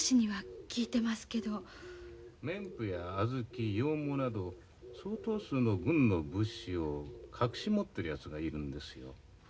・綿布や小豆羊毛など相当数の軍の物資を隠し持ってるやつがいるんですよ。